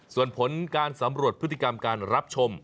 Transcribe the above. ส่วนผลการสำรวจพฤติกรรมการรับชม